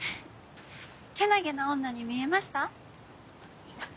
けなげな女に見えました？